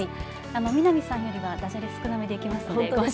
南さんよりはだじゃれ少なめでいきますので。